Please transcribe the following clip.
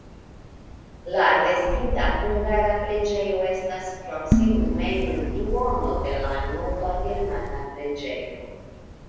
La restinta hungara preĝejo estas proksimume nur duono de la nova germana preĝejo.